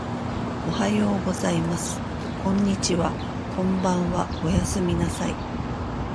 おはようございます。こんにちは。こんばんは。おやすみなさい。